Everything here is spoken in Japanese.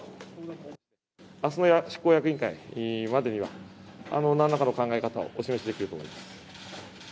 あすの執行役員会までには、なんらかの考え方をお示しできると思います。